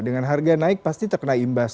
dengan harga naik pasti terkena imbas